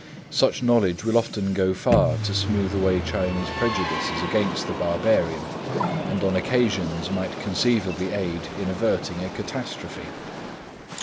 Such knowledge will often go far to smooth away Chinese prejudices against the barbarian, and on occasions might conceivably aid in averting a catastrophe.